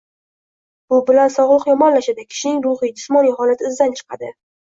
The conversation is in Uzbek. Bu bilan sog‘liq yomonlashadi, kishining ruhiy, jismoniy holati izdan chiqadi..